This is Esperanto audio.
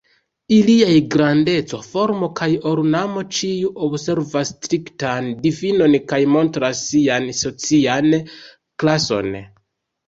Iliaj grandeco, formo kaj ornamo ĉiu observas striktan difinon kaj montras sian socian klason.